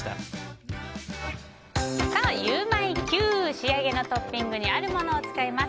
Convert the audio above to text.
仕上げのトッピングにあるものを使います。